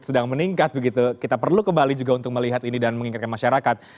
sedang meningkat begitu kita perlu ke bali juga untuk melihat ini dan mengingatkan masyarakat